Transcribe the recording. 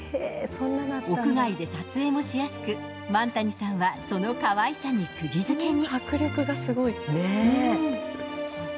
屋外で撮影もしやすく、萬谷さんはその可愛さにくぎづけに。